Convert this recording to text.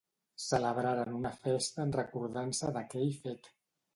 Celebraren una festa en recordança d'aquell fet.